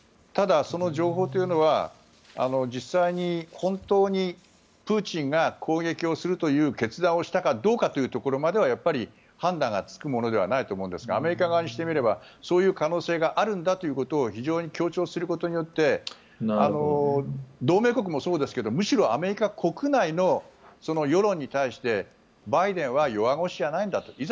ただ、その情報というのは実際に本当にプーチンが攻撃をするという決断をしたかどうかというところまでやっぱり判断がつくものではないと思うんですがアメリカ側にしてみればそういう可能性があるんだということを非常に強調することによって同盟国もそうですけどむしろアメリカ国内の世論に対してバイデンは弱腰じゃないんだと。